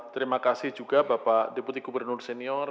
terima kasih juga bapak deputi gubernur senior